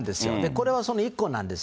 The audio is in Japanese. これはその１個なんです。